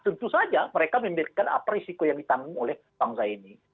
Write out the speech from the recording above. tentu saja mereka memberikan apa risiko yang ditanggung oleh bangsa ini